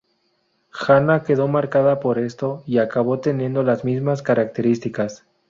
Hana quedó marcada por esto, y acabó teniendo las mismas características.